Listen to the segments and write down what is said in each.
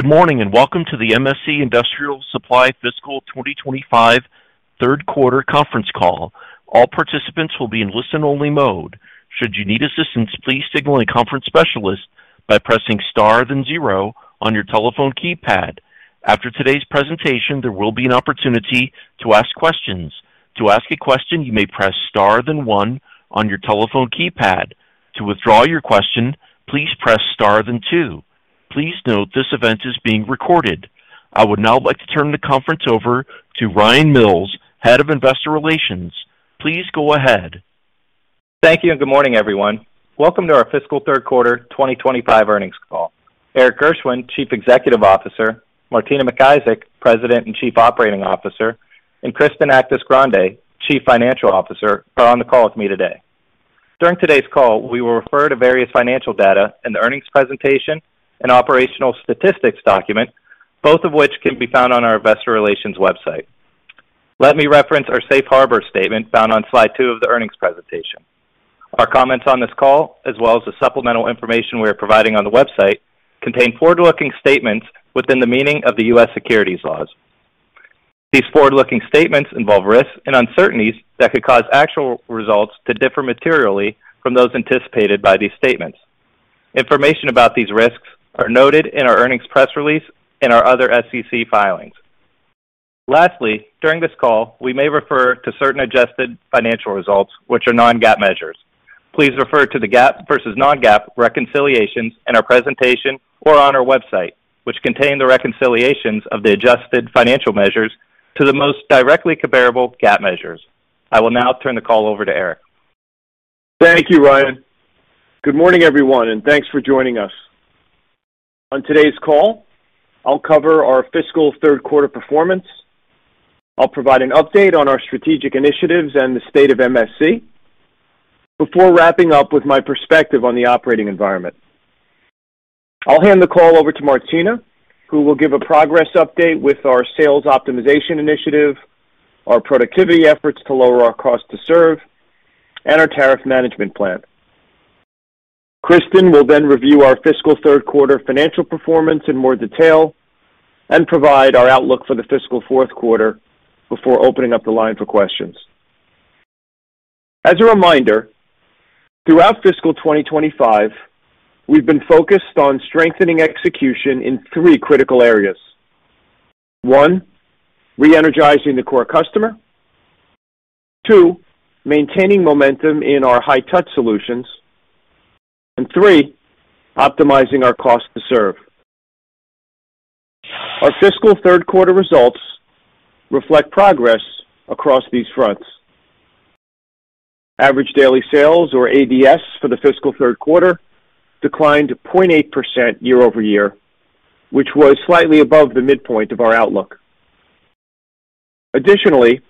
Good morning and welcome to the MSC Industrial Supply Fiscal 2025 Third Quarter conference call. All participants will be in listen-only mode. Should you need assistance, please signal a conference specialist by pressing star then zero on your telephone keypad. After today's presentation, there will be an opportunity to ask questions. To ask a question, you may press star then one on your telephone keypad. To withdraw your question, please press star then two. Please note this event is being recorded. I would now like to turn the conference over to Ryan Mills, Head of Investor Relations. Please go ahead. Thank you and good morning, everyone. Welcome to our fiscal third quarter 2025 earnings call. Erik Gershwind, Chief Executive Officer; Martina McIsaac, President and Chief Operating Officer; and Kristen Actis-Grande, Chief Financial Officer, are on the call with me today. During today's call, we will refer to various financial data in the earnings presentation and operational statistics document, both of which can be found on our Investor Relations website. Let me reference our Safe Harbor statement found on slide two of the earnings presentation. Our comments on this call, as well as the supplemental information we are providing on the website, contain forward-looking statements within the meaning of the U.S. securities laws. These forward-looking statements involve risks and uncertainties that could cause actual results to differ materially from those anticipated by these statements. Information about these risks is noted in our earnings press release and our other SEC filings. Lastly, during this call, we may refer to certain adjusted financial results, which are non-GAAP measures. Please refer to the GAAP versus non-GAAP reconciliations in our presentation or on our website, which contain the reconciliations of the adjusted financial measures to the most directly comparable GAAP measures. I will now turn the call over to Erik. Thank you, Ryan. Good morning, everyone, and thanks for joining us. On today's call, I'll cover our fiscal third quarter performance. I'll provide an update on our strategic initiatives and the state of MSC before wrapping up with my perspective on the operating environment. I'll hand the call over to Martina, who will give a progress update with our sales optimization initiative, our productivity efforts to lower our cost to serve, and our tariff management plan. Kristen will then review our fiscal third quarter financial performance in more detail and provide our outlook for the fiscal fourth quarter before opening up the line for questions. As a reminder, throughout fiscal 2025, we've been focused on strengthening execution in three critical areas: one, re-energizing the core customer; two, maintaining momentum in our high-touch solutions; and three, optimizing our cost to serve. Our fiscal third quarter results reflect progress across these fronts. Average daily sales, or ADS, for the fiscal third quarter declined 0.8% year-over-year, which was slightly above the midpoint of our outlook. Additionally,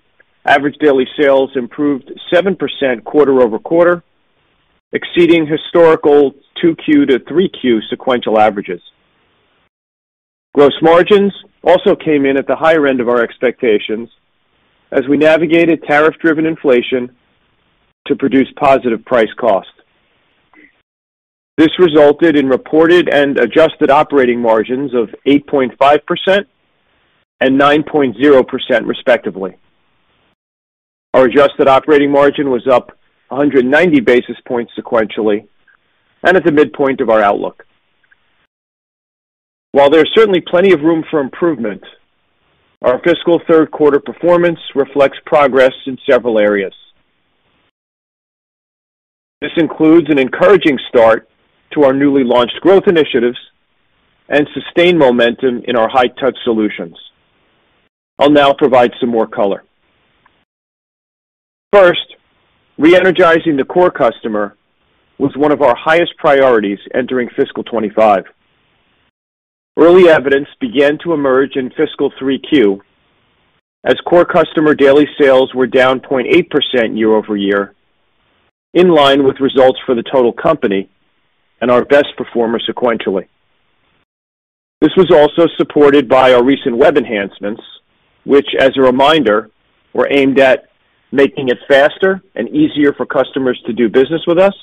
average daily sales improved 7% quarter-over-quarter, exceeding historical 2Q to 3Q sequential averages. Gross margins also came in at the higher end of our expectations as we navigated tariff-driven inflation to produce positive price cost. This resulted in reported and adjusted operating margins of 8.5% and 9.0%, respectively. Our adjusted operating margin was up 190 basis points sequentially and at the midpoint of our outlook. While there is certainly plenty of room for improvement, our fiscal third quarter performance reflects progress in several areas. This includes an encouraging start to our newly launched growth initiatives and sustained momentum in our high-touch solutions. I'll now provide some more color. First, re-energizing the core customer was one of our highest priorities entering fiscal 2025. Early evidence began to emerge in fiscal 3Q as core customer daily sales were down 0.8% year-over-year, in line with results for the total company and our best performer sequentially. This was also supported by our recent web enhancements, which, as a reminder, were aimed at making it faster and easier for customers to do business with us,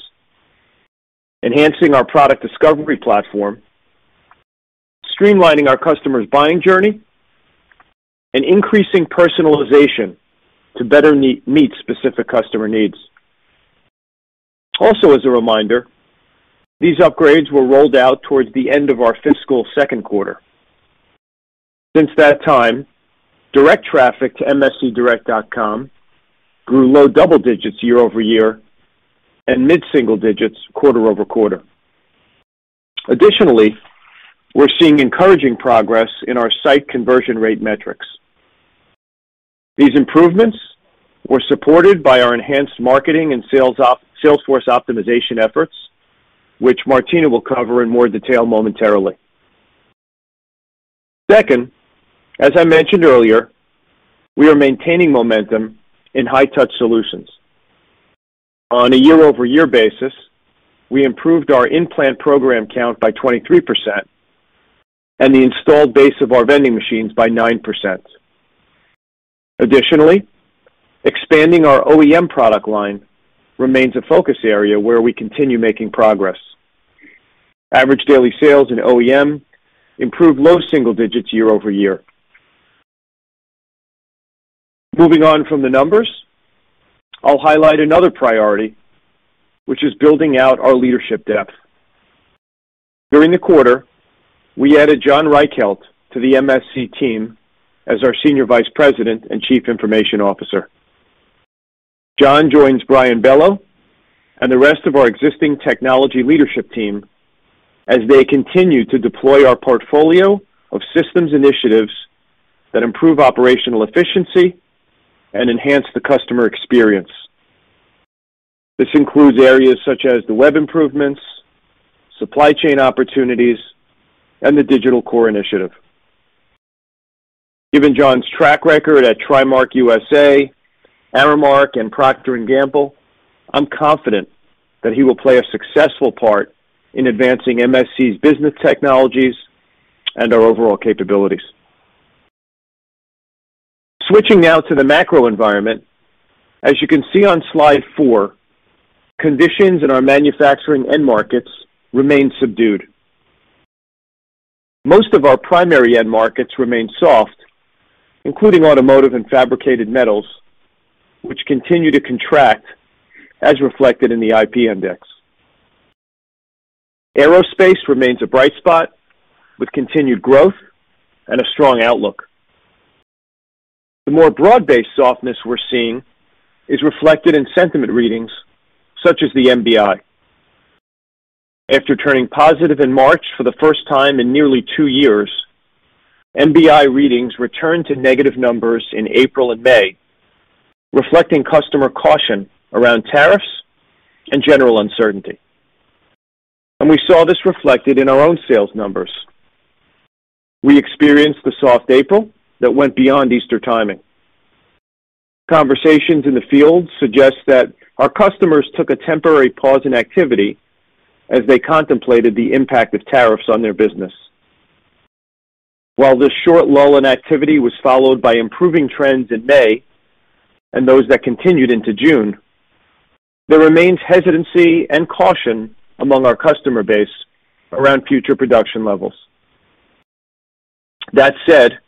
enhancing our product discovery platform, streamlining our customer's buying journey, and increasing personalization to better meet specific customer needs. Also, as a reminder, these upgrades were rolled out towards the end of our fiscal second quarter. Since that time, direct traffic to mscdirect.com grew low double digits year-over-year and mid-single digits quarter-over-quarter. Additionally, we're seeing encouraging progress in our site conversion rate metrics. These improvements were supported by our enhanced marketing and salesforce optimization efforts, which Martina will cover in more detail momentarily. Second, as I mentioned earlier, we are maintaining momentum in high-touch solutions. On a year-over-year basis, we improved our implant program count by 23% and the installed base of our vending machines by 9%. Additionally, expanding our OEM product line remains a focus area where we continue making progress. Average daily sales in OEM improved low single digits year-over-year. Moving on from the numbers, I'll highlight another priority, which is building out our leadership depth. During the quarter, we added John Reichelt to the MSC team as our Senior Vice President and Chief Information Officer. John joins Brian Bello and the rest of our existing technology leadership team as they continue to deploy our portfolio of systems initiatives that improve operational efficiency and enhance the customer experience. This includes areas such as the web improvements, supply chain opportunities, and the digital core initiative. Given John's track record at TriMark USA, Aramark, and Procter & Gamble, I'm confident that he will play a successful part in advancing MSC's business technologies and our overall capabilities. Switching now to the macro environment, as you can see on slide four, conditions in our manufacturing end markets remain subdued. Most of our primary end markets remain soft, including automotive and fabricated metals, which continue to contract as reflected in the IP index. Aerospace remains a bright spot with continued growth and a strong outlook. The more broad-based softness we're seeing is reflected in sentiment readings such as the MBI. After turning positive in March for the first time in nearly two years, MBI readings returned to negative numbers in April and May, reflecting customer caution around tariffs and general uncertainty. We saw this reflected in our own sales numbers. We experienced the soft April that went beyond Easter timing. Conversations in the field suggest that our customers took a temporary pause in activity as they contemplated the impact of tariffs on their business. While this short lull in activity was followed by improving trends in May and those that continued into June, there remains hesitancy and caution among our customer base around future production levels. That said,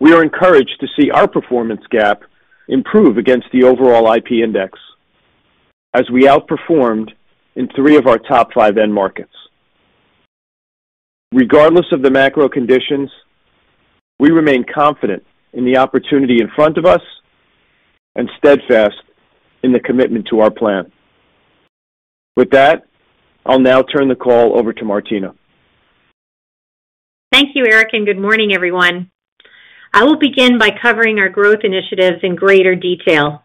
we are encouraged to see our performance gap improve against the overall IP index as we outperformed in three of our top five end markets. Regardless of the macro conditions, we remain confident in the opportunity in front of us and steadfast in the commitment to our plan. With that, I'll now turn the call over to Martina. Thank you, Erik, and good morning, everyone. I will begin by covering our growth initiatives in greater detail.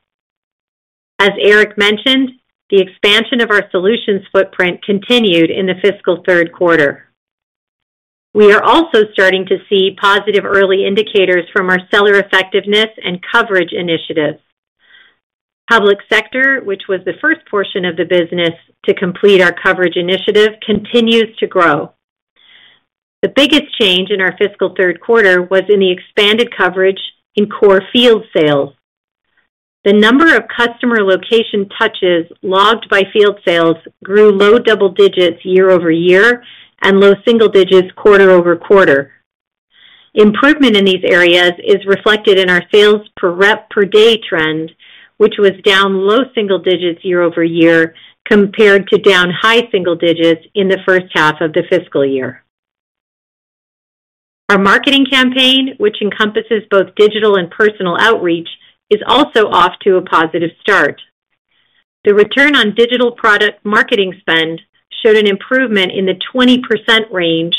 As Erik mentioned, the expansion of our solutions footprint continued in the fiscal third quarter. We are also starting to see positive early indicators from our seller effectiveness and coverage initiative. Public sector, which was the first portion of the business to complete our coverage initiative, continues to grow. The biggest change in our fiscal third quarter was in the expanded coverage in core field sales. The number of customer location touches logged by field sales grew low double digits year-over-year and low single digits quarter-over-quarter. Improvement in these areas is reflected in our sales per rep per day trend, which was down low single digits year-over- year compared to down high single digits in the first half of the fiscal year. Our marketing campaign, which encompasses both digital and personal outreach, is also off to a positive start. The return on digital product marketing spend showed an improvement in the 20% range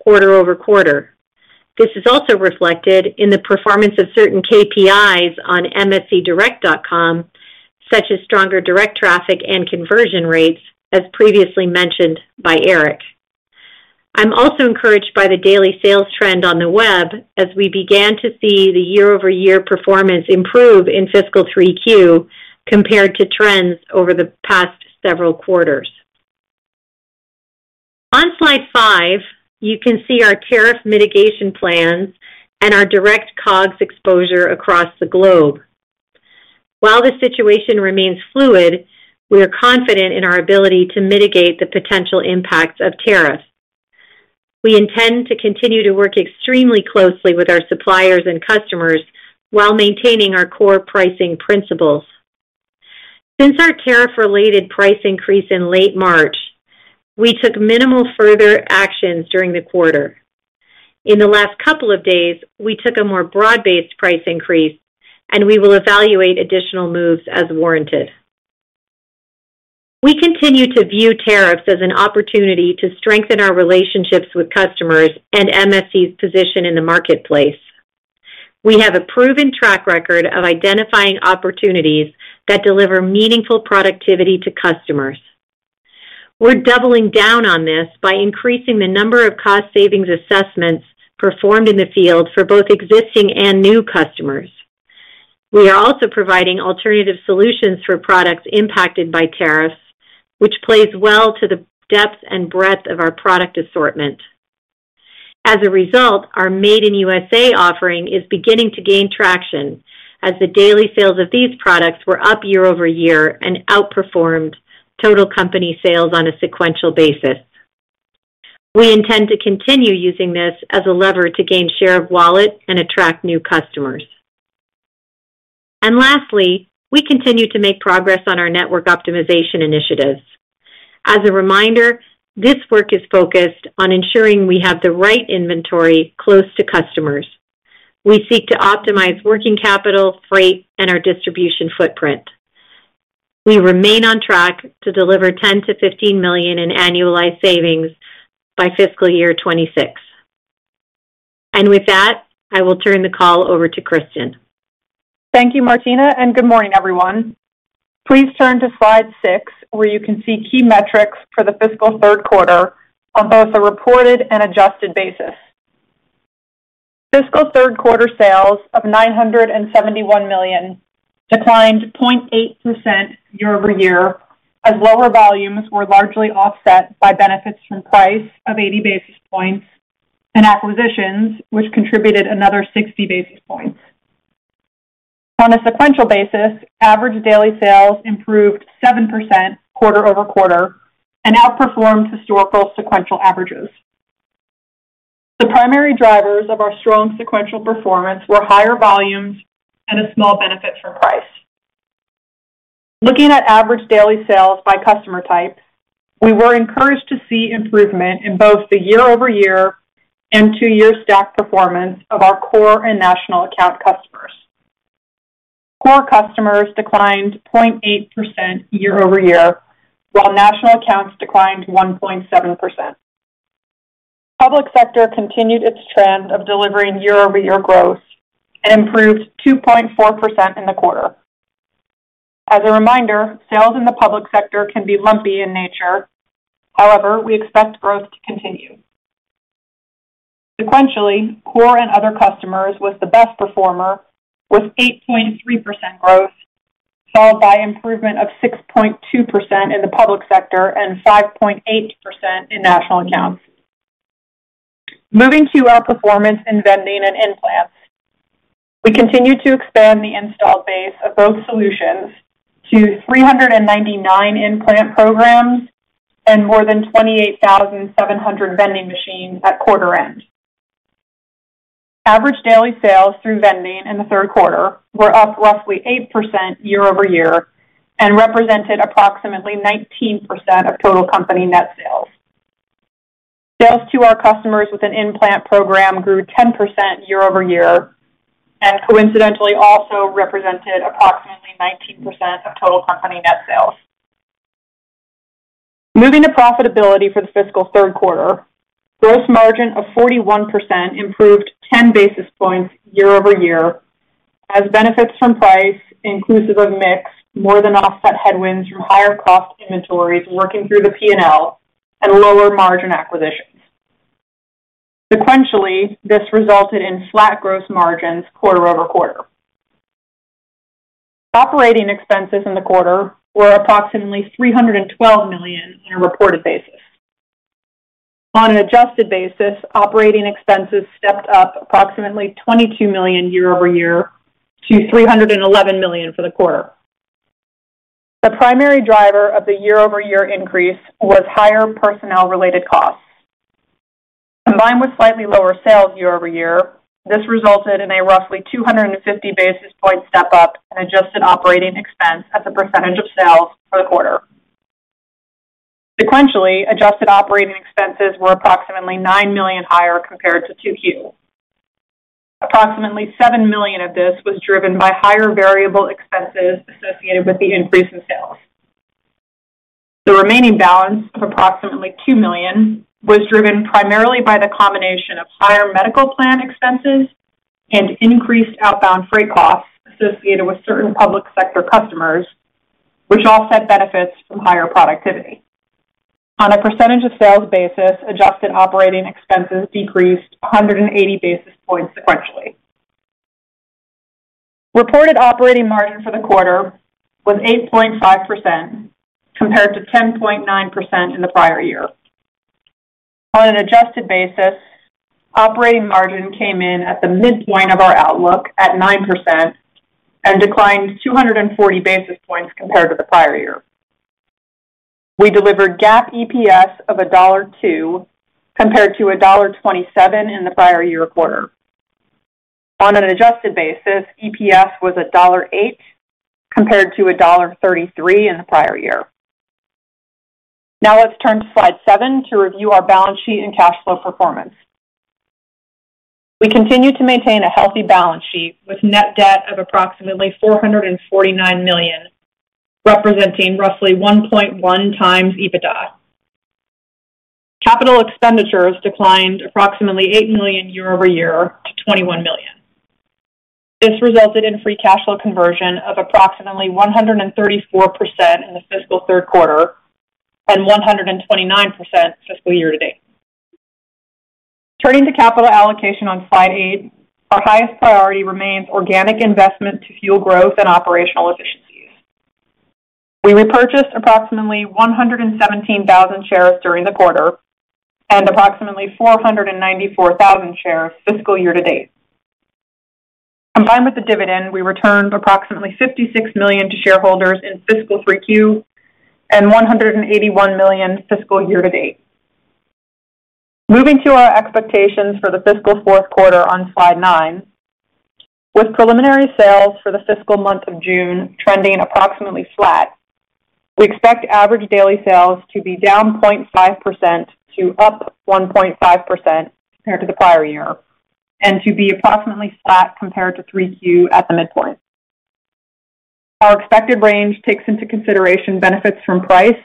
quarter-over-quarter. This is also reflected in the performance of certain KPIs on mscdirect.com, such as stronger direct traffic and conversion rates, as previously mentioned by Erik. I'm also encouraged by the daily sales trend on the web as we began to see the year-over-year performance improve in fiscal 3Q compared to trends over the past several quarters. On slide five, you can see our tariff mitigation plans and our direct COGS exposure across the globe. While the situation remains fluid, we are confident in our ability to mitigate the potential impacts of tariffs. We intend to continue to work extremely closely with our suppliers and customers while maintaining our core pricing principles. Since our tariff-related price increase in late March, we took minimal further actions during the quarter. In the last couple of days, we took a more broad-based price increase, and we will evaluate additional moves as warranted. We continue to view tariffs as an opportunity to strengthen our relationships with customers and MSC's position in the marketplace. We have a proven track record of identifying opportunities that deliver meaningful productivity to customers. We're doubling down on this by increasing the number of cost savings assessments performed in the field for both existing and new customers. We are also providing alternative solutions for products impacted by tariffs, which plays well to the depth and breadth of our product assortment. As a result, our Made in USA offering is beginning to gain traction as the daily sales of these products were up year-over-year and outperformed total company sales on a sequential basis. We intend to continue using this as a lever to gain share of wallet and attract new customers. Lastly, we continue to make progress on our network optimization initiatives. As a reminder, this work is focused on ensuring we have the right inventory close to customers. We seek to optimize working capital, freight, and our distribution footprint. We remain on track to deliver $10 million-$15 million in annualized savings by fiscal year 2026. With that, I will turn the call over to Kristen. Thank you, Martina, and good morning, everyone. Please turn to slide six, where you can see key metrics for the fiscal third quarter on both a reported and adjusted basis. Fiscal third quarter sales of $971 million declined 0.8% year-over-year as lower volumes were largely offset by benefits from price of 80 basis points and acquisitions, which contributed another 60 basis points. On a sequential basis, average daily sales improved 7% quarter-over-quarter and outperformed historical sequential averages. The primary drivers of our strong sequential performance were higher volumes and a small benefit from price. Looking at average daily sales by customer type, we were encouraged to see improvement in both the year-over-year and two-year stack performance of our core and national account customers. Core customers declined 0.8% year-over-year, while national accounts declined 1.7%. Public sector continued its trend of delivering year-over-year growth and improved 2.4% in the quarter. As a reminder, sales in the public sector can be lumpy in nature. However, we expect growth to continue. Sequentially, core and other customers were the best performer with 8.3% growth, followed by improvement of 6.2% in the public sector and 5.8% in national accounts. Moving to our performance in vending and implants, we continue to expand the installed base of both solutions to 399 implant programs and more than 28,700 vending machines at quarter end. Average daily sales through vending in the third quarter were up roughly 8% year-over-year and represented approximately 19% of total company net sales. Sales to our customers with an implant program grew 10% year-over-year and coincidentally also represented approximately 19% of total company net sales. Moving to profitability for the fiscal third quarter, gross margin of 41% improved 10 basis points year-over-year as benefits from price inclusive of mix more than offset headwinds from higher cost inventories working through the P&L and lower margin acquisitions. Sequentially, this resulted in flat gross margins quarter-over-quarter. Operating expenses in the quarter were approximately $312 million on a reported basis. On an adjusted basis, operating expenses stepped up approximately $22 million year-over-year to $311 million for the quarter. The primary driver of the year-over-year increase was higher personnel-related costs. Combined with slightly lower sales year-over-year, this resulted in a roughly 250 basis point step-up in adjusted operating expense as a percentage of sales for the quarter. Sequentially, adjusted operating expenses were approximately $9 million higher compared to 2Q. Approximately $7 million of this was driven by higher variable expenses associated with the increase in sales. The remaining balance of approximately $2 million was driven primarily by the combination of higher medical plan expenses and increased outbound freight costs associated with certain public sector customers, which offset benefits from higher productivity. On a percentage of sales basis, adjusted operating expenses decreased 180 basis points sequentially. Reported operating margin for the quarter was 8.5% compared to 10.9% in the prior year. On an adjusted basis, operating margin came in at the midpoint of our outlook at 9% and declined 240 basis points compared to the prior year. We delivered GAAP EPS of $1.02 compared to $1.27 in the prior year quarter. On an adjusted basis, EPS was $1.08 compared to $1.33 in the prior year. Now let's turn to slide seven to review our balance sheet and cash flow performance. We continue to maintain a healthy balance sheet with net debt of approximately $449 million, representing roughly 1.1 times EBITDA. Capital expenditures declined approximately $8 million year-over-year to $21 million. This resulted in free cash flow conversion of approximately 134% in the fiscal third quarter and 129% fiscal year to date. Turning to capital allocation on slide eight, our highest priority remains organic investment to fuel growth and operational efficiencies. We repurchased approximately 117,000 shares during the quarter and approximately 494,000 shares fiscal year to date. Combined with the dividend, we returned approximately $56 million to shareholders in fiscal 3Q and $181 million fiscal year to date. Moving to our expectations for the fiscal fourth quarter on slide nine, with preliminary sales for the fiscal month of June trending approximately flat, we expect average daily sales to be down 0.5% to up 1.5% compared to the prior year and to be approximately flat compared to 3Q at the midpoint. Our expected range takes into consideration benefits from price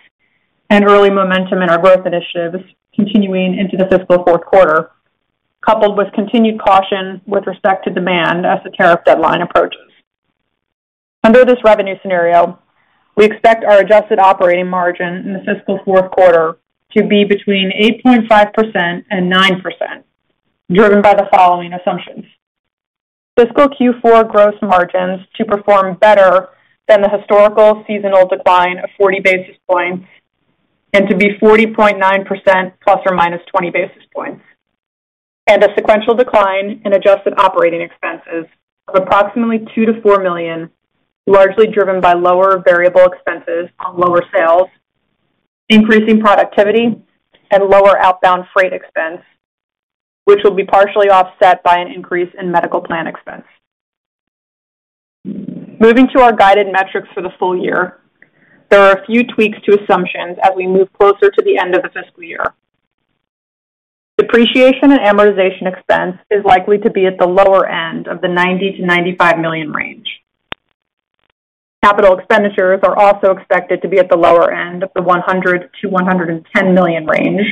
and early momentum in our growth initiatives continuing into the fiscal fourth quarter, coupled with continued caution with respect to demand as the tariff deadline approaches. Under this revenue scenario, we expect our adjusted operating margin in the fiscal fourth quarter to be between 8.5% and 9%, driven by the following assumptions: fiscal Q4 gross margins to perform better than the historical seasonal decline of 40 basis points and to be 40.9% plus or minus 20 basis points, and a sequential decline in adjusted operating expenses of approximately $2 million-$4 million, largely driven by lower variable expenses on lower sales, increasing productivity and lower outbound freight expense, which will be partially offset by an increase in medical plan expense. Moving to our guided metrics for the full year, there are a few tweaks to assumptions as we move closer to the end of the fiscal year. Depreciation and amortization expense is likely to be at the lower end of the $90 million-$95 million range. Capital expenditures are also expected to be at the lower end of the $100 million-$110 million range.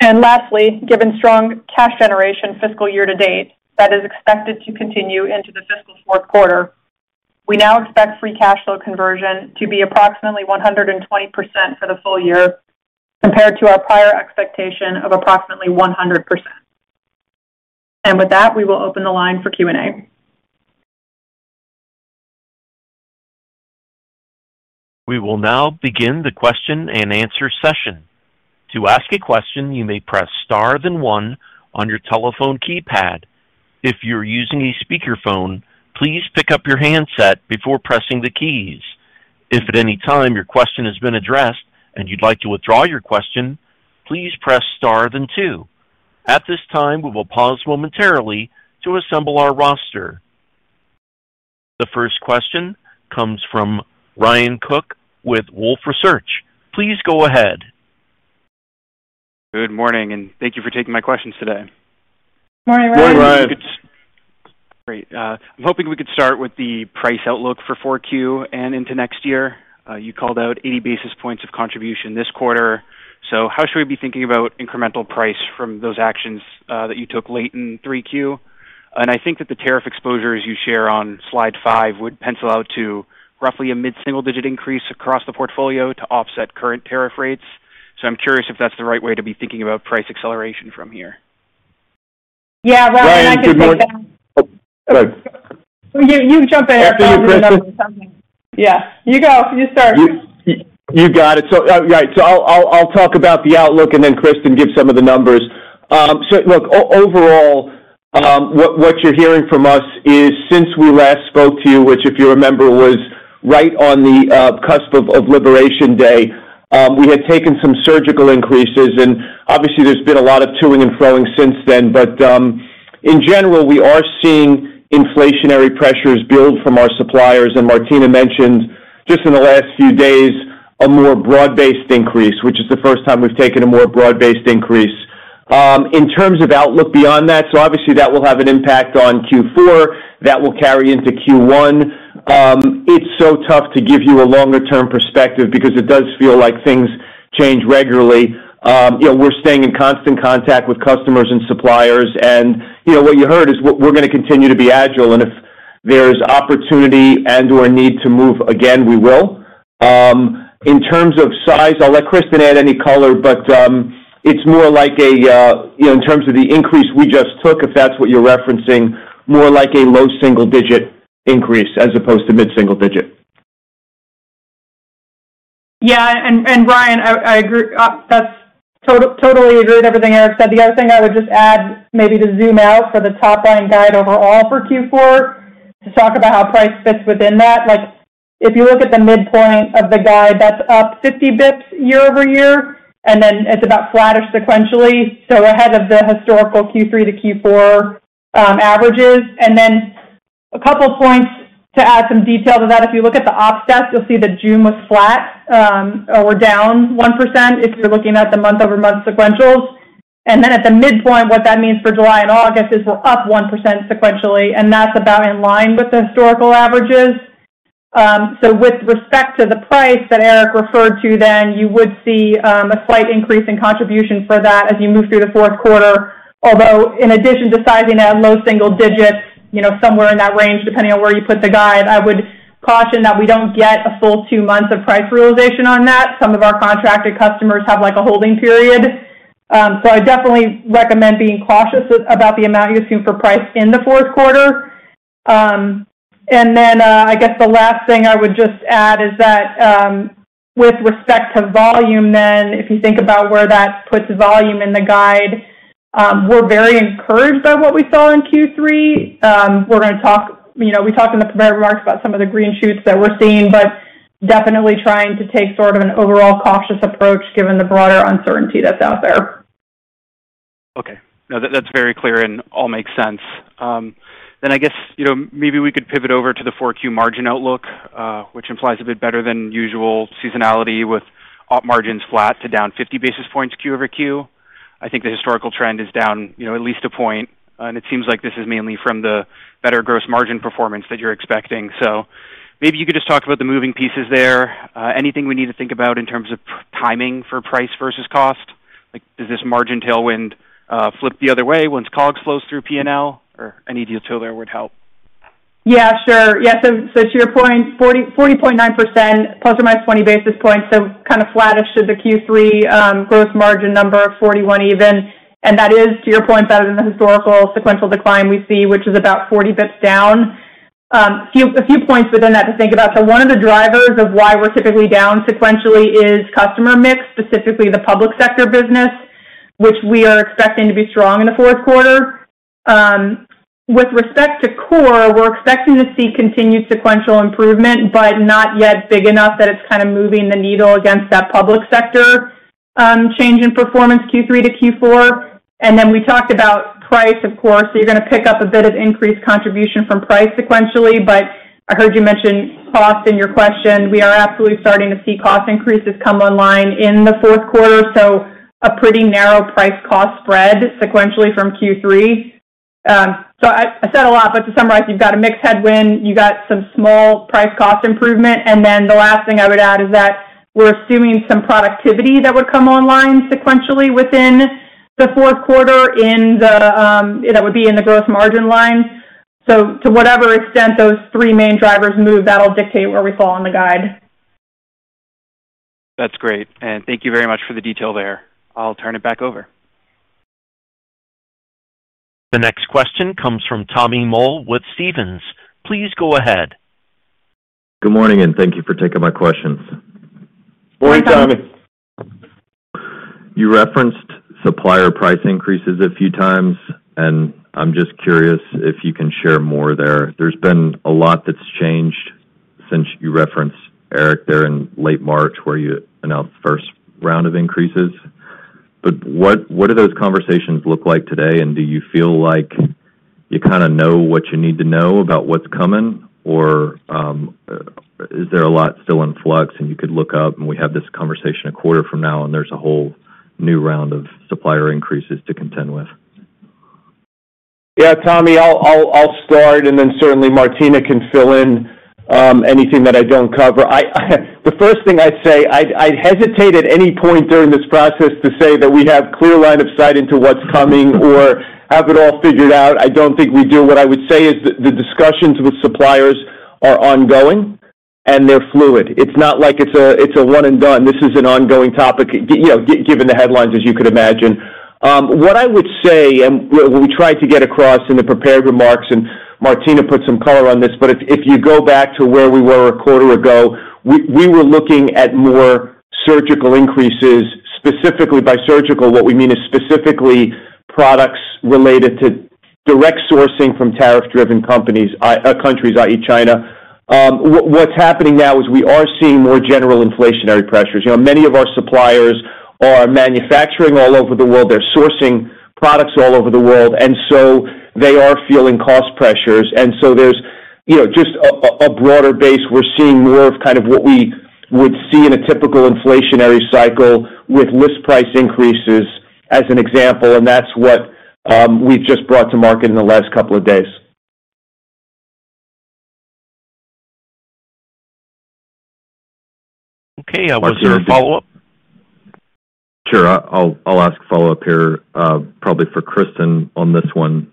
Lastly, given strong cash generation fiscal year to date that is expected to continue into the fiscal fourth quarter, we now expect free cash flow conversion to be approximately 120% for the full year compared to our prior expectation of approximately 100%. With that, we will open the line for Q&A. We will now begin the question and answer session. To ask a question, you may press star then one on your telephone keypad. If you're using a speakerphone, please pick up your handset before pressing the keys. If at any time your question has been addressed and you'd like to withdraw your question, please press star then two. At this time, we will pause momentarily to assemble our roster. The first question comes from Ryan Cooke with Wolfe Research. Please go ahead. Good morning, and thank you for taking my questions today. Morning, Ryan. Morning, Ryan. Great. I'm hoping we could start with the price outlook for 4Q and into next year. You called out 80 basis points of contribution this quarter. How should we be thinking about incremental price from those actions that you took late in 3Q? I think that the tariff exposures you share on slide five would pencil out to roughly a mid-single-digit increase across the portfolio to offset current tariff rates. I'm curious if that's the right way to be thinking about price acceleration from here. Yeah, Ryan, I can take that. Good morning. You jump in. After you, Kristen. Yeah, you go. You start. You got it. Right, I'll talk about the outlook and then Kristen will give some of the numbers. Look, overall, what you're hearing from us is since we last spoke to you, which if you remember was right on the cusp of Liberation Day, we had taken some surgical increases. Obviously, there's been a lot of tooling and flowing since then. In general, we are seeing inflationary pressures build from our suppliers. Martina mentioned just in the last few days a more broad-based increase, which is the first time we've taken a more broad-based increase. In terms of outlook beyond that, obviously that will have an impact on Q4. That will carry into Q1. It's so tough to give you a longer-term perspective because it does feel like things change regularly. We're staying in constant contact with customers and suppliers. What you heard is we're going to continue to be agile. If there is opportunity and/or need to move again, we will. In terms of size, I'll let Kristen add any color, but it's more like a, in terms of the increase we just took, if that's what you're referencing, more like a low single-digit increase as opposed to mid-single-digit. Yeah. And Ryan, I agree. That's totally agreed with everything Erik said. The other thing I would just add maybe to zoom out for the top line guide overall for Q4 to talk about how price fits within that. If you look at the midpoint of the guide, that's up 50 bps year-over-year, and then it's about flattish sequentially. Ahead of the historical Q3 to Q4 averages. A couple of points to add some detail to that. If you look at the ops desk, you'll see that June was flat or down 1% if you're looking at the month-over-month sequentials. At the midpoint, what that means for July and August is we're up 1% sequentially, and that's about in line with the historical averages. With respect to the price that Erik referred to, you would see a slight increase in contribution for that as you move through the fourth quarter. Although in addition to sizing at low single digits, somewhere in that range, depending on where you put the guide, I would caution that we do not get a full two months of price realization on that. Some of our contracted customers have a holding period. I definitely recommend being cautious about the amount you assume for price in the fourth quarter. I guess the last thing I would just add is that with respect to volume, if you think about where that puts volume in the guide, we are very encouraged by what we saw in Q3. We're going to talk—we talked in the prepared remarks about some of the green shoots that we're seeing, but definitely trying to take sort of an overall cautious approach given the broader uncertainty that's out there. Okay. No, that's very clear and all makes sense. Then I guess maybe we could pivot over to the 4Q margin outlook, which implies a bit better than usual seasonality with op margins flat to down 50 basis points QoQ. I think the historical trend is down at least a point. It seems like this is mainly from the better gross margin performance that you're expecting. Maybe you could just talk about the moving pieces there. Anything we need to think about in terms of timing for price versus cost? Does this margin tailwind flip the other way once COGS flows through P&L? Any detail there would help. Yeah, sure. Yeah. To your point, 40.9% ±20 basis points, so kind of flattish to the Q3 gross margin number of 41% even. That is, to your point, better than the historical sequential decline we see, which is about 40 bps down. A few points within that to think about. One of the drivers of why we're typically down sequentially is customer mix, specifically the public sector business, which we are expecting to be strong in the fourth quarter. With respect to core, we're expecting to see continued sequential improvement, but not yet big enough that it's kind of moving the needle against that public sector change in performance Q3 to Q4. We talked about price, of course. You're going to pick up a bit of increased contribution from price sequentially, but I heard you mention cost in your question. We are absolutely starting to see cost increases come online in the fourth quarter. A pretty narrow price-cost spread sequentially from Q3. I said a lot, but to summarize, you have a mixed headwind. You have some small price-cost improvement. The last thing I would add is that we are assuming some productivity that would come online sequentially within the fourth quarter that would be in the gross margin line. To whatever extent those three main drivers move, that will dictate where we fall on the guide. That's great. Thank you very much for the detail there. I'll turn it back over. The next question comes from Tommy Moll with Stephens. Please go ahead. Good morning, and thank you for taking my questions. Morning, Tommy. You referenced supplier price increases a few times, and I'm just curious if you can share more there. There's been a lot that's changed since you referenced Erik there in late March where you announced the first round of increases. What do those conversations look like today? Do you feel like you kind of know what you need to know about what's coming? Or is there a lot still in flux and you could look up? We have this conversation a quarter from now, and there's a whole new round of supplier increases to contend with. Yeah, Tommy, I'll start, and then certainly Martina can fill in anything that I don't cover. The first thing I'd say, I'd hesitate at any point during this process to say that we have clear line of sight into what's coming or have it all figured out. I don't think we do. What I would say is the discussions with suppliers are ongoing, and they're fluid. It's not like it's a one-and-done. This is an ongoing topic, given the headlines, as you could imagine. What I would say, and we tried to get across in the prepared remarks, and Martina put some color on this, but if you go back to where we were a quarter ago, we were looking at more surgical increases. Specifically by surgical, what we mean is specifically products related to direct sourcing from tariff-driven countries, i.e., China. What's happening now is we are seeing more general inflationary pressures. Many of our suppliers are manufacturing all over the world. They're sourcing products all over the world. They are feeling cost pressures. There is just a broader base. We are seeing more of kind of what we would see in a typical inflationary cycle with list price increases as an example. That is what we have just brought to market in the last couple of days. Okay. Was there a follow-up? Sure. I'll ask a follow-up here, probably for Kristen on this one.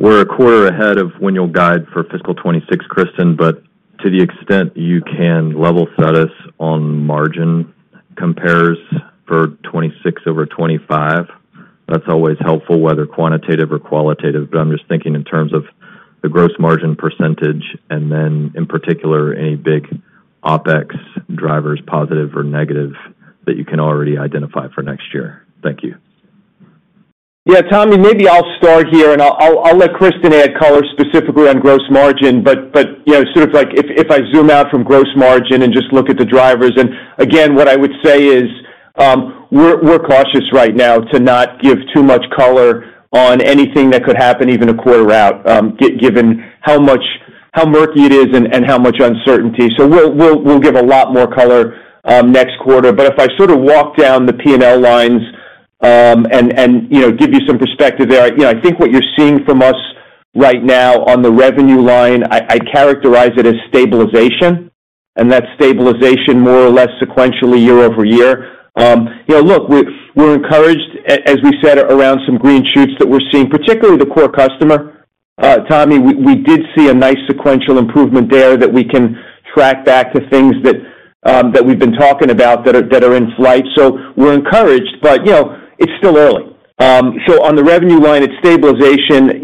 We're a quarter ahead of when you'll guide for fiscal 2026, Kristen, but to the extent you can level set us on margin compares for 2026 over 2025, that's always helpful, whether quantitative or qualitative. I'm just thinking in terms of the gross margin percentage and then in particular, any big OpEx drivers, positive or negative, that you can already identify for next year. Thank you. Yeah, Tommy, maybe I'll start here, and I'll let Kristen add color specifically on gross margin, but sort of like if I zoom out from gross margin and just look at the drivers. Again, what I would say is we're cautious right now to not give too much color on anything that could happen even a quarter out, given how murky it is and how much uncertainty. We'll give a lot more color next quarter. If I sort of walk down the P&L lines and give you some perspective there, I think what you're seeing from us right now on the revenue line, I characterize it as stabilization. That stabilization, more or less sequentially year-over-year, look, we're encouraged, as we said, around some green shoots that we're seeing, particularly the core customer. Tommy, we did see a nice sequential improvement there that we can track back to things that we've been talking about that are in flight. We are encouraged, but it's still early. On the revenue line, it's stabilization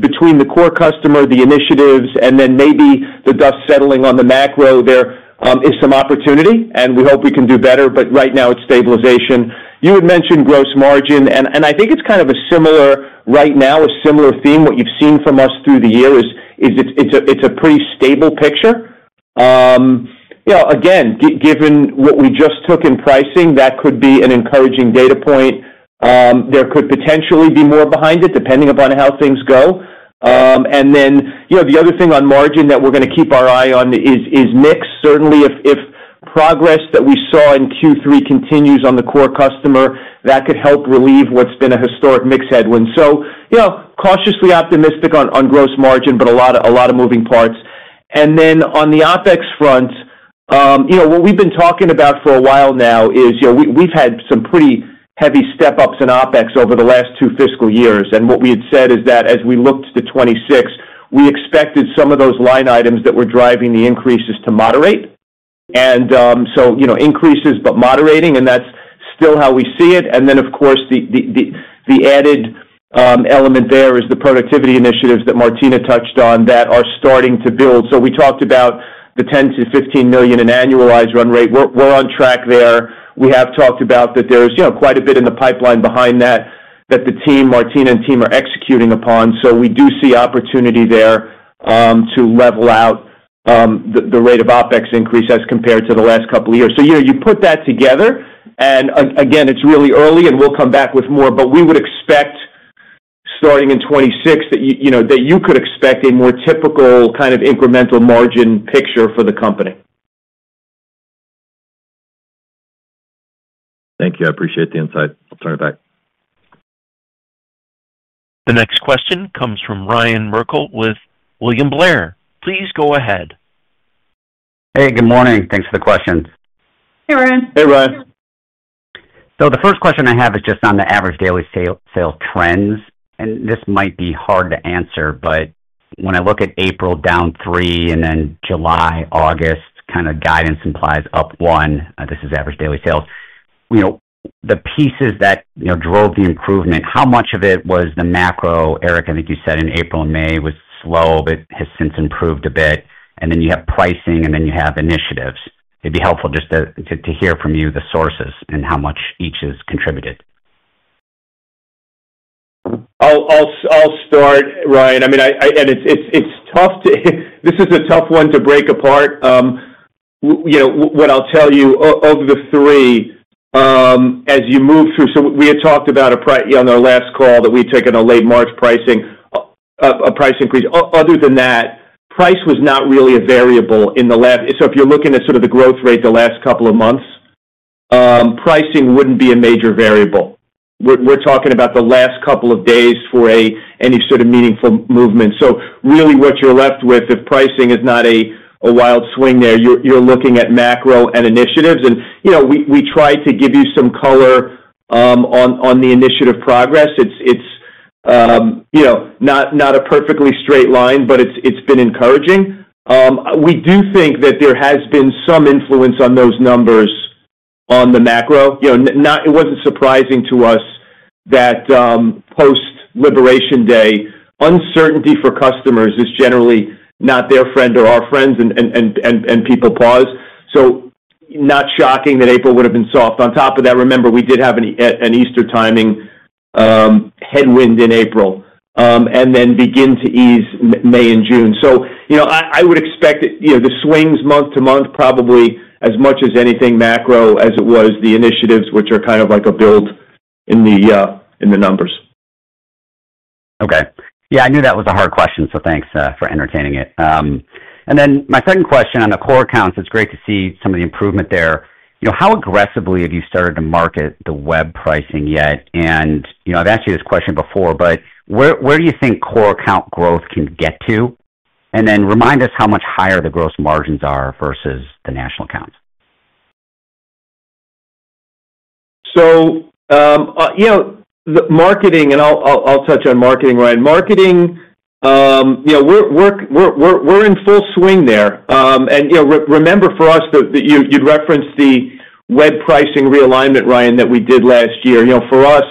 between the core customer, the initiatives, and then maybe the dust settling on the macro. There is some opportunity, and we hope we can do better, but right now it's stabilization. You had mentioned gross margin, and I think it's kind of a similar right now, a similar theme. What you've seen from us through the year is it's a pretty stable picture. Again, given what we just took in pricing, that could be an encouraging data point. There could potentially be more behind it, depending upon how things go. The other thing on margin that we're going to keep our eye on is mix. Certainly, if progress that we saw in Q3 continues on the core customer, that could help relieve what's been a historic mixed headwind. Cautiously optimistic on gross margin, but a lot of moving parts. On the OpEx front, what we've been talking about for a while now is we've had some pretty heavy step-ups in OpEx over the last two fiscal years. What we had said is that as we looked to 2026, we expected some of those line items that were driving the increases to moderate. Increases, but moderating, and that's still how we see it. The added element there is the productivity initiatives that Martina touched on that are starting to build. We talked about the $10 million-$15 million in annualized run rate. We're on track there. We have talked about that there's quite a bit in the pipeline behind that that the team, Martina and team, are executing upon. We do see opportunity there to level out the rate of OpEx increase as compared to the last couple of years. You put that together, and again, it's really early, and we'll come back with more, but we would expect starting in 2026 that you could expect a more typical kind of incremental margin picture for the company. Thank you. I appreciate the insight. I'll turn it back. The next question comes from Ryan Merkel with William Blair. Please go ahead. Hey, good morning. Thanks for the question. Hey, Ryan. Hey, Ryan. The first question I have is just on the average daily sales trends. This might be hard to answer, but when I look at April down three and then July, August, kind of guidance implies up one. This is average daily sales. The pieces that drove the improvement, how much of it was the macro? Erik, I think you said in April and May was slow, but has since improved a bit. Then you have pricing, and then you have initiatives. It'd be helpful just to hear from you the sources and how much each has contributed. I'll start, Ryan. I mean, and it's tough to—this is a tough one to break apart. What I'll tell you of the three, as you move through, we had talked about on our last call that we took in a late March pricing, a price increase. Other than that, price was not really a variable in the last—if you're looking at sort of the growth rate the last couple of months, pricing wouldn't be a major variable. We're talking about the last couple of days for any sort of meaningful movement. Really what you're left with, if pricing is not a wild swing there, you're looking at macro and initiatives. We tried to give you some color on the initiative progress. It's not a perfectly straight line, but it's been encouraging. We do think that there has been some influence on those numbers on the macro. It wasn't surprising to us that post-liberation day, uncertainty for customers is generally not their friend or our friends, and people pause. Not shocking that April would have been soft. On top of that, remember, we did have an Easter timing headwind in April and then begin to ease May and June. I would expect the swings month to month, probably as much as anything macro as it was the initiatives, which are kind of like a build in the numbers. Okay. Yeah, I knew that was a hard question, so thanks for entertaining it. My second question on the core accounts, it's great to see some of the improvement there. How aggressively have you started to market the web pricing yet? I've asked you this question before, but where do you think core account growth can get to? Remind us how much higher the gross margins are versus the national accounts. The marketing, and I'll touch on marketing, Ryan. Marketing, we're in full swing there. Remember for us that you'd referenced the web pricing realignment, Ryan, that we did last year. For us,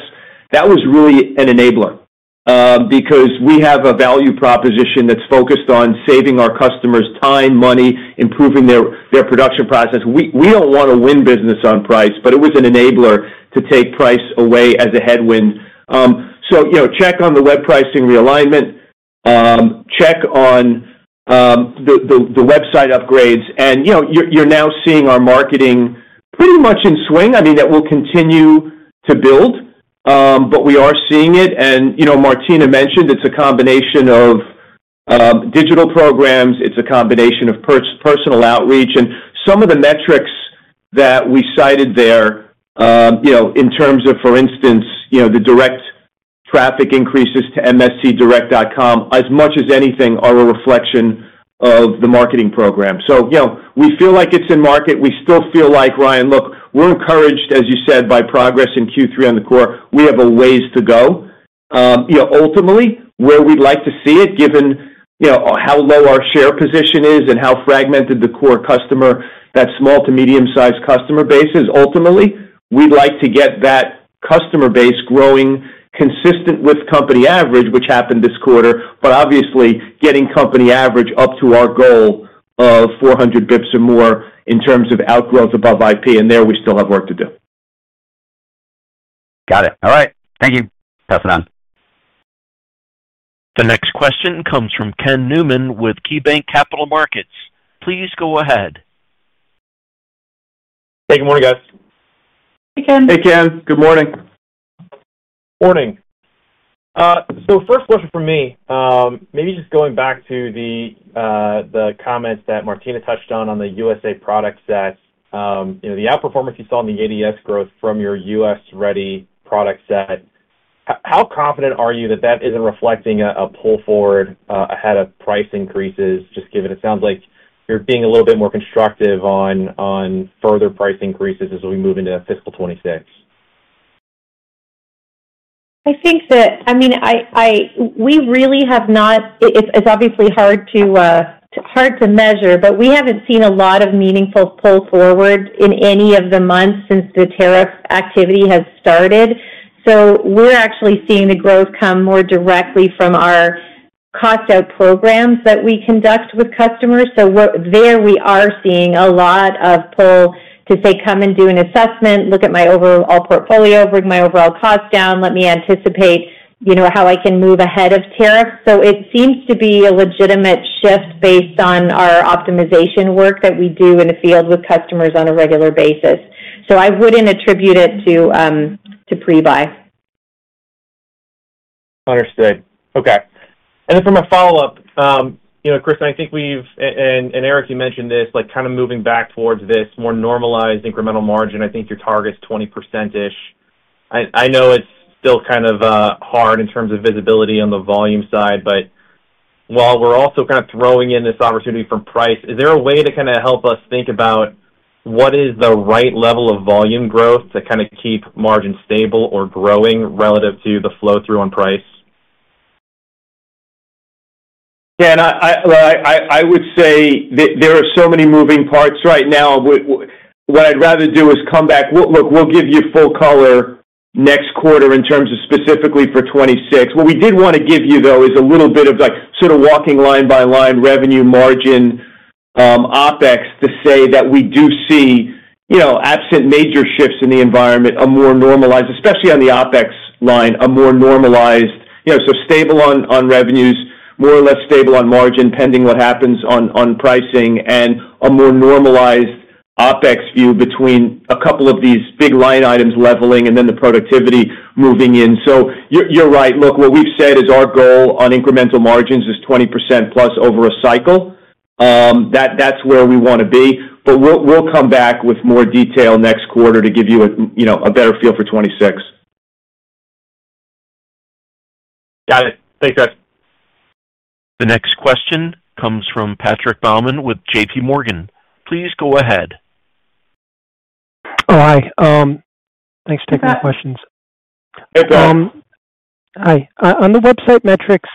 that was really an enabler because we have a value proposition that's focused on saving our customers time, money, improving their production process. We don't want to win business on price, but it was an enabler to take price away as a headwind. Check on the web pricing realignment, check on the website upgrades. You're now seeing our marketing pretty much in swing. I mean, that will continue to build, but we are seeing it. Martina mentioned it's a combination of digital programs. It's a combination of personal outreach. Some of the metrics that we cited there in terms of, for instance, the direct traffic increases to mscdirect.com, as much as anything, are a reflection of the marketing program. We feel like it's in market. We still feel like, Ryan, look, we're encouraged, as you said, by progress in Q3 on the core. We have a ways to go. Ultimately, where we'd like to see it, given how low our share position is and how fragmented the core customer, that small to medium-sized customer base is, ultimately, we'd like to get that customer base growing consistent with company average, which happened this quarter, but obviously getting company average up to our goal of 400 bps or more in terms of outgrowth above IP. There we still have work to do. Got it. All right. Thank you. Pass it on. The next question comes from Ken Newman with KeyBanc Capital Markets. Please go ahead. Hey, good morning, guys. Hey, Ken. Hey, Ken. Good morning. Morning. First question for me, maybe just going back to the comments that Martina touched on on the USA product set, the outperformance you saw in the ADS growth from your US-ready product set, how confident are you that that isn't reflecting a pull forward ahead of price increases, just given it sounds like you're being a little bit more constructive on further price increases as we move into fiscal 2026? I think that, I mean, we really have not—it's obviously hard to measure, but we haven't seen a lot of meaningful pull forward in any of the months since the tariff activity has started. We are actually seeing the growth come more directly from our cost-out programs that we conduct with customers. There we are seeing a lot of pull to say, "Come and do an assessment. Look at my overall portfolio. Bring my overall cost down. Let me anticipate how I can move ahead of tariffs." It seems to be a legitimate shift based on our optimization work that we do in the field with customers on a regular basis. I wouldn't attribute it to pre-buy. Understood. Okay. From a follow-up, Kristen, I think we've—and Erik, you mentioned this—kind of moving back towards this more normalized incremental margin. I think your target's 20%-ish. I know it's still kind of hard in terms of visibility on the volume side, but while we're also kind of throwing in this opportunity from price, is there a way to kind of help us think about what is the right level of volume growth to kind of keep margin stable or growing relative to the flow-through on price? Yeah. I would say there are so many moving parts right now. What I'd rather do is come back, "Look, we'll give you full color next quarter in terms of specifically for 2026." What we did want to give you, though, is a little bit of sort of walking line by line revenue, margin, OpEx to say that we do see, absent major shifts in the environment, a more normalized, especially on the OpEx line, a more normalized—so stable on revenues, more or less stable on margin pending what happens on pricing—and a more normalized OpEx view between a couple of these big line items leveling and then the productivity moving in. You're right. Look, what we've said is our goal on incremental margins is 20%+ over a cycle. That's where we want to be. We will come back with more detail next quarter to give you a better feel for 2026. Got it. Thanks, guys. The next question comes from Patrick Baumann with J.P. Morgan. Please go ahead. Hi. Thanks for taking my questions. Hey, Pat. Hi. On the website metrics,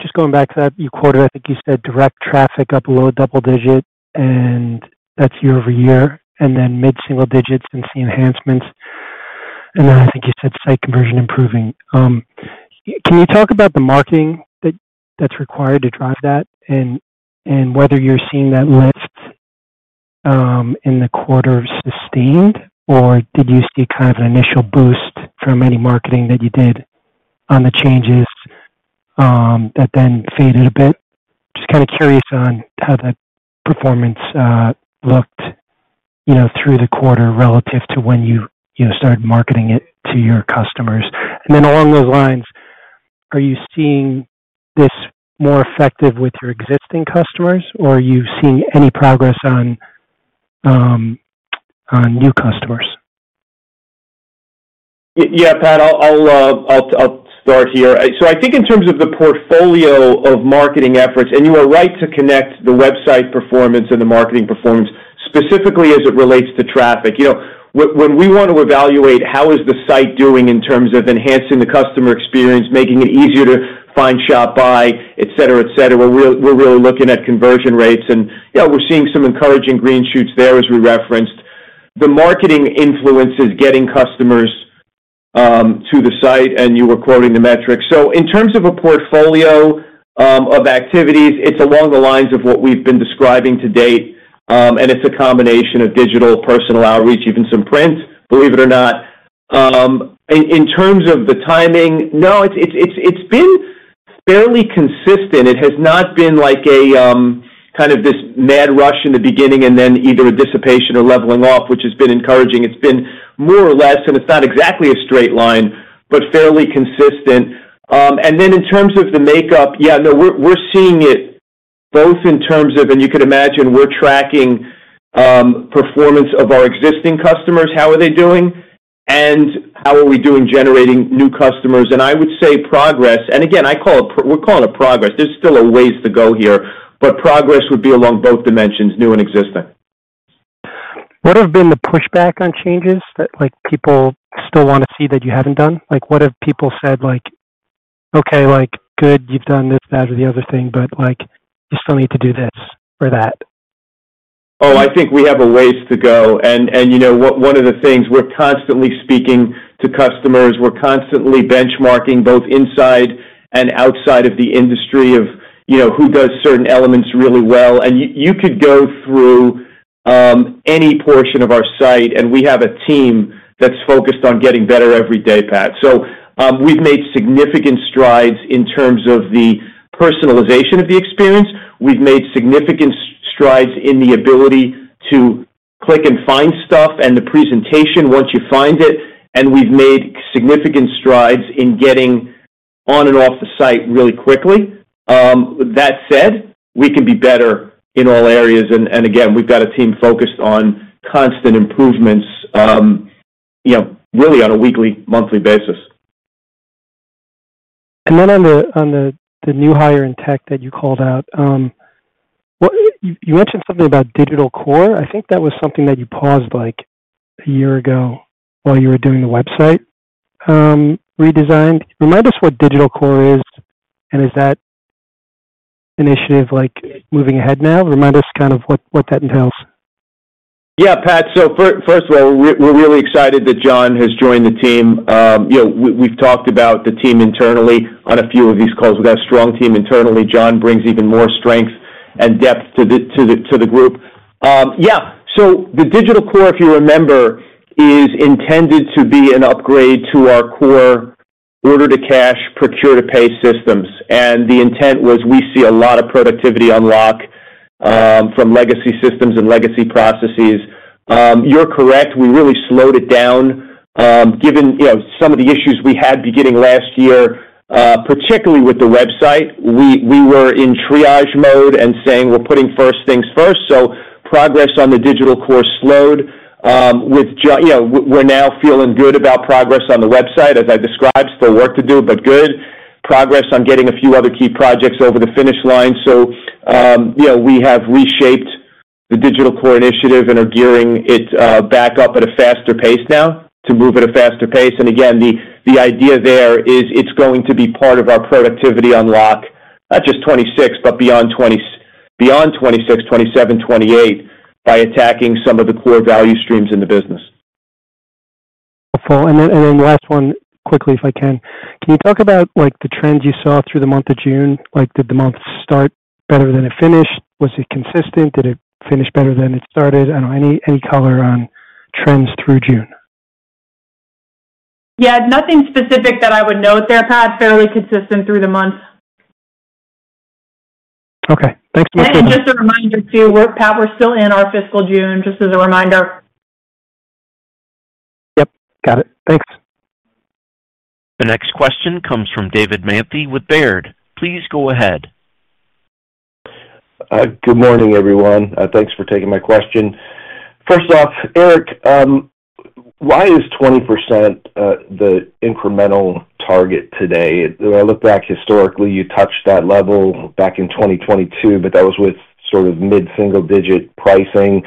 just going back to that, you quoted, I think you said, direct traffic up below double digits, and that's year-over-year, and then mid-single digits since the enhancements. I think you said site conversion improving. Can you talk about the marketing that's required to drive that and whether you're seeing that lift in the quarter sustained, or did you see kind of an initial boost from any marketing that you did on the changes that then faded a bit? Just kind of curious on how that performance looked through the quarter relative to when you started marketing it to your customers. Along those lines, are you seeing this more effective with your existing customers, or are you seeing any progress on new customers? Yeah, Pat, I'll start here. I think in terms of the portfolio of marketing efforts, and you are right to connect the website performance and the marketing performance specifically as it relates to traffic. When we want to evaluate how is the site doing in terms of enhancing the customer experience, making it easier to find, shop, buy, etc., etc., we're really looking at conversion rates, and we're seeing some encouraging green shoots there as we referenced. The marketing influences getting customers to the site, and you were quoting the metrics. In terms of a portfolio of activities, it's along the lines of what we've been describing to date, and it's a combination of digital, personal outreach, even some print, believe it or not. In terms of the timing, no, it's been fairly consistent. It has not been like a kind of this mad rush in the beginning and then either a dissipation or leveling off, which has been encouraging. It's been more or less, and it's not exactly a straight line, but fairly consistent. In terms of the makeup, yeah, no, we're seeing it both in terms of, and you could imagine we're tracking performance of our existing customers, how are they doing, and how are we doing generating new customers. I would say progress. Again, we're calling it progress. There's still a ways to go here, but progress would be along both dimensions, new and existing. What have been the pushback on changes that people still want to see that you haven't done? What have people said like, "Okay, good, you've done this, that, or the other thing, but you still need to do this or that? Oh, I think we have a ways to go. One of the things, we're constantly speaking to customers. We're constantly benchmarking both inside and outside of the industry of who does certain elements really well. You could go through any portion of our site, and we have a team that's focused on getting better every day, Pat. We have made significant strides in terms of the personalization of the experience. We have made significant strides in the ability to click and find stuff and the presentation once you find it. We have made significant strides in getting on and off the site really quickly. That said, we can be better in all areas. Again, we have a team focused on constant improvements really on a weekly, monthly basis. On the new hire and tech that you called out, you mentioned something about Digital Core. I think that was something that you paused a year ago while you were doing the website redesign. Remind us what Digital Core is, and is that initiative moving ahead now? Remind us kind of what that entails. Yeah, Pat. First of all, we're really excited that John has joined the team. We've talked about the team internally on a few of these calls. We've got a strong team internally. John brings even more strength and depth to the group. Yeah. The Digital Core, if you remember, is intended to be an upgrade to our core order-to-cash, procure-to-pay systems. The intent was we see a lot of productivity unlock from legacy systems and legacy processes. You're correct. We really slowed it down. Given some of the issues we had beginning last year, particularly with the website, we were in triage mode and saying, "We're putting first things first." Progress on the Digital Core slowed. We're now feeling good about progress on the website, as I described. Still work to do, but good. Progress on getting a few other key projects over the finish line. We have reshaped the Digital Core initiative and are gearing it back up at a faster pace now to move at a faster pace. Again, the idea there is it's going to be part of our productivity unlock, not just 2026, but beyond 2026, 2027, 2028 by attacking some of the core value streams in the business. Last one, quickly, if I can. Can you talk about the trends you saw through the month of June? Did the month start better than it finished? Was it consistent? Did it finish better than it started? I do not know. Any color on trends through June? Yeah. Nothing specific that I would note there, Pat. Fairly consistent through the month. Okay. Thanks so much. Just a reminder too, Pat, we're still in our fiscal June, just as a reminder. Yep. Got it. Thanks. The next question comes from David Manthey with Baird. Please go ahead. Good morning, everyone. Thanks for taking my question. First off, Erik, why is 20% the incremental target today? When I look back historically, you touched that level back in 2022, but that was with sort of mid-single digit pricing.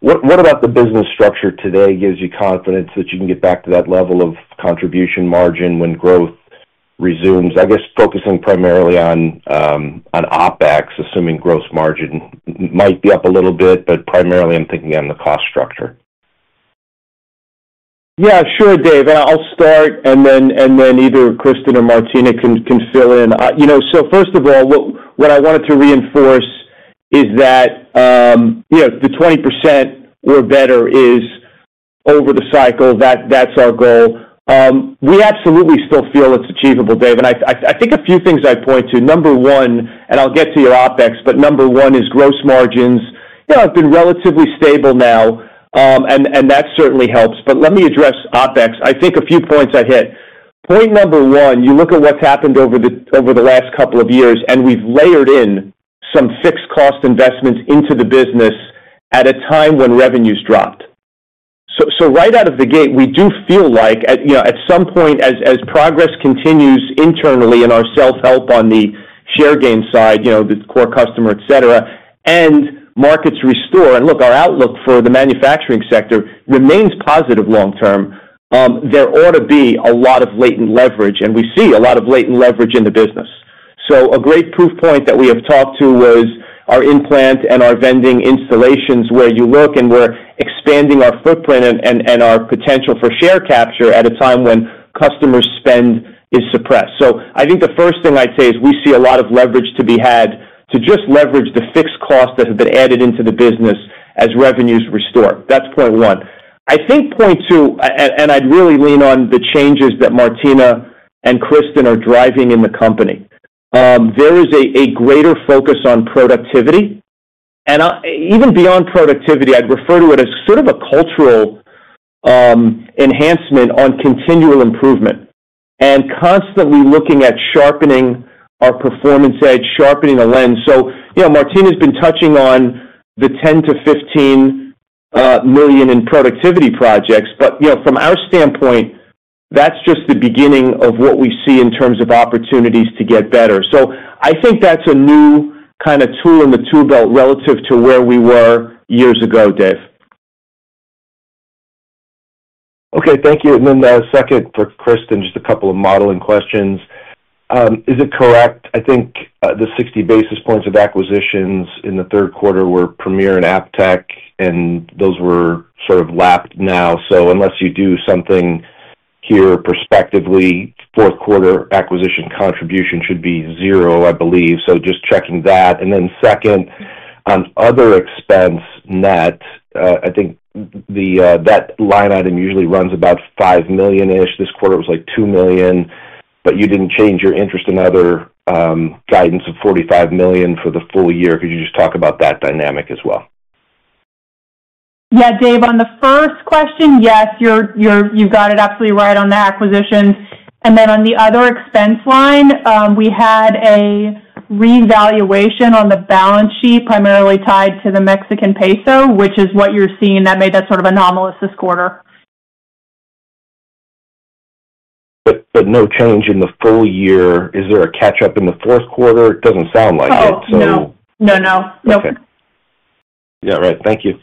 What about the business structure today gives you confidence that you can get back to that level of contribution margin when growth resumes? I guess focusing primarily on OpEx, assuming gross margin might be up a little bit, but primarily I'm thinking on the cost structure. Yeah, sure, Dave. I'll start, and then either Kristen or Martina can fill in. First of all, what I wanted to reinforce is that the 20% or better is over the cycle. That's our goal. We absolutely still feel it's achievable, Dave. I think a few things I'd point to. Number one, and I'll get to your OpEx, but number one is gross margins. Yeah, they've been relatively stable now, and that certainly helps. Let me address OpEx. I think a few points I hit. Point number one, you look at what's happened over the last couple of years, and we've layered in some fixed cost investments into the business at a time when revenues dropped. Right out of the gate, we do feel like at some point, as progress continues internally in our self-help on the share gain side, the core customer, etc., and markets restore, and look, our outlook for the manufacturing sector remains positive long-term, there ought to be a lot of latent leverage, and we see a lot of latent leverage in the business. A great proof point that we have talked to was our implant and our vending installations where you look and we are expanding our footprint and our potential for share capture at a time when customer spend is suppressed. I think the first thing I would say is we see a lot of leverage to be had to just leverage the fixed cost that has been added into the business as revenues restore. That is point one. I think point two, and I'd really lean on the changes that Martina and Kristen are driving in the company. There is a greater focus on productivity. Even beyond productivity, I'd refer to it as sort of a cultural enhancement on continual improvement and constantly looking at sharpening our performance edge, sharpening the lens. Martina's been touching on the $10 million-$15 million in productivity projects, but from our standpoint, that's just the beginning of what we see in terms of opportunities to get better. I think that's a new kind of tool in the tool belt relative to where we were years ago, Dave. Okay. Thank you. Then second for Kristen, just a couple of modeling questions. Is it correct? I think the 60 basis points of acquisitions in the third quarter were Premier and ApTex, and those were sort of lapped now. Unless you do something here prospectively, fourth quarter acquisition contribution should be zero, I believe. Just checking that. Then second, on other expense net, I think that line item usually runs about $5 million-ish. This quarter was like $2 million, but you did not change your interest in other guidance of $45 million for the full year. Could you just talk about that dynamic as well? Yeah, Dave, on the first question, yes, you got it absolutely right on the acquisitions. On the other expense line, we had a revaluation on the balance sheet primarily tied to the Mexican peso, which is what you're seeing. That made that sort of anomalous this quarter. No change in the full year. Is there a catch-up in the fourth quarter? It doesn't sound like it, so. No, no. Nope. Okay. Yeah, right. Thank you.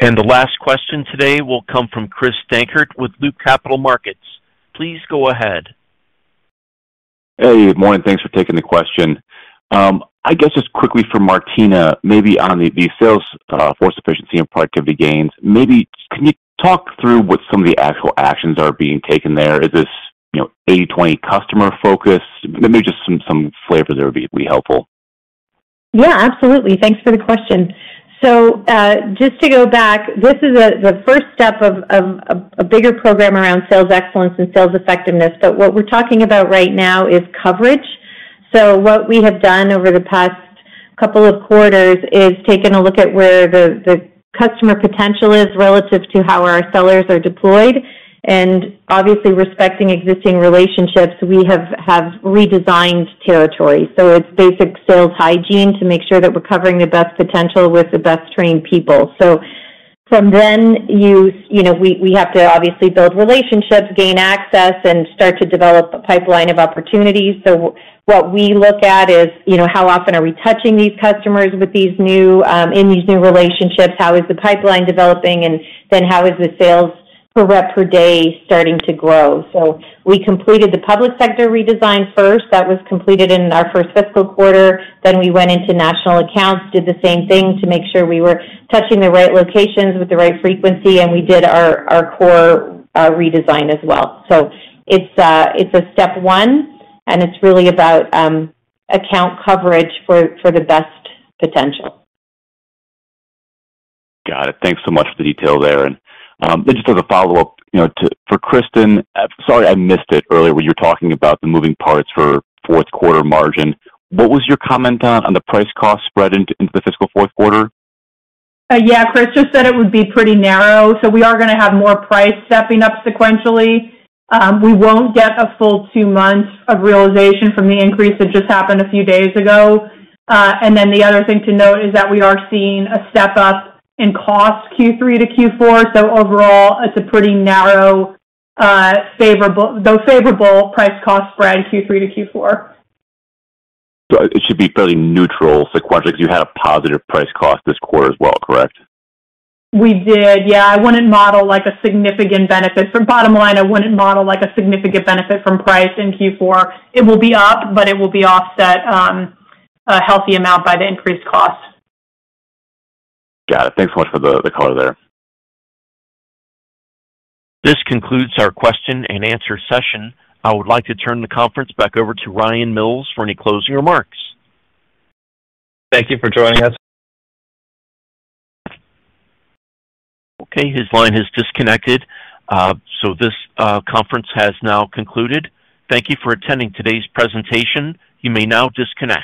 The last question today will come from Chris Dankert with Loop Capital Markets. Please go ahead. Hey, good morning. Thanks for taking the question. I guess just quickly for Martina, maybe on the sales force efficiency and productivity gains, maybe can you talk through what some of the actual actions are being taken there? Is this 80/20 customer focused? Maybe just some flavor there would be helpful. Yeah, absolutely. Thanks for the question. Just to go back, this is the first step of a bigger program around sales excellence and sales effectiveness. What we're talking about right now is coverage. What we have done over the past couple of quarters is taken a look at where the customer potential is relative to how our sellers are deployed. Obviously, respecting existing relationships, we have redesigned territory. It's basic sales hygiene to make sure that we're covering the best potential with the best trained people. From then, we have to obviously build relationships, gain access, and start to develop a pipeline of opportunities. What we look at is how often are we touching these customers with these new relationships, how is the pipeline developing, and then how is the sales per rep per day starting to grow? We completed the public sector redesign first. That was completed in our first fiscal quarter. Then we went into national accounts, did the same thing to make sure we were touching the right locations with the right frequency, and we did our core redesign as well. It is a step one, and it is really about account coverage for the best potential. Got it. Thanks so much for the detail there. Just as a follow-up for Kristen, sorry, I missed it earlier when you were talking about the moving parts for fourth quarter margin. What was your comment on the price cost spread into the fiscal fourth quarter? Yeah, Chris I just said it would be pretty narrow. We are going to have more price stepping up sequentially. We will not get a full two months of realization from the increase that just happened a few days ago. The other thing to note is that we are seeing a step up in cost Q3 to Q4. Overall, it is a pretty narrow, though favorable price cost spread Q3 to Q4. It should be fairly neutral sequentially because you had a positive price cost this quarter as well, correct? We did, yeah. I would not model a significant benefit from bottom line. I would not model a significant benefit from price in Q4. It will be up, but it will be offset a healthy amount by the increased cost. Got it. Thanks so much for the color there. This concludes our question and answer session. I would like to turn the conference back over to Ryan Mills for any closing remarks. Thank you for joining us. Okay. His line has disconnected. This conference has now concluded. Thank you for attending today's presentation. You may now disconnect.